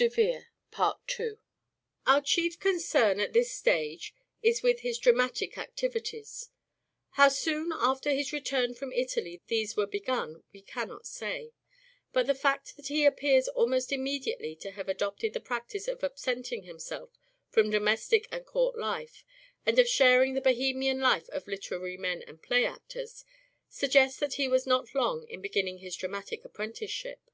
II Dramatic QUJ chief concern at this stage is with his dramatic activities . activities. How soon after his return from Italy these were begun we cannot say ; but the fact that he appears almost immediately to have adopted the practice of absenting himself from domestic and court life, and of sharing the Bohemian life of literary men and play actors, suggests that he was not long in beginning his dramatic apprenticeship.